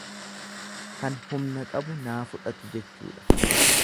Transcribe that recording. Kan humna qabu naa fudhatu jechuudha.